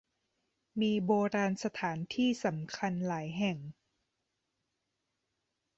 มีโบราณสถานที่สำคัญหลายแห่ง